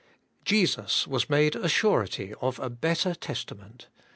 'Jesus was made a surety of a better testament.